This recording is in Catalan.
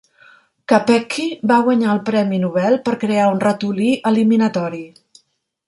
Capecchi va guanyar el premi Nobel per crear un ratolí eliminatori.